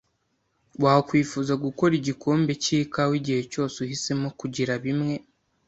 Wakwifuza gukora igikombe cyikawa igihe cyose uhisemo kugira bimwe?